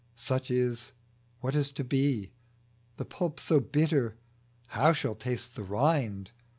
Such is ; what is to be ? The pulp so bitter, how shall taste the rind